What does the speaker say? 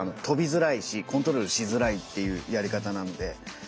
跳びづらいしコントロールしづらいっていうやり方なので。